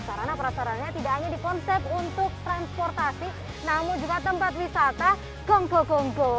sarana prasarananya tidak hanya di konsep untuk transportasi namun juga tempat wisata kongko kongko